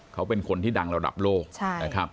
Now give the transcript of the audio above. เขาเป็นคนที่ดังระดับโลก